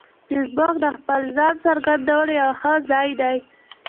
فېسبوک د خپل ځان څرګندولو یو ښه ځای دی